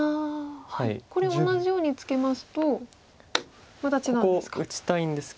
これ同じようにツケますとまた違うんですか。